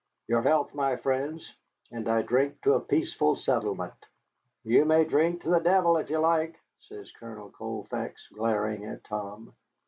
"Your health, my friends, and I drink to a peaceful settlement." "You may drink to the devil if you like," says Major Colfax, glaring at Tom.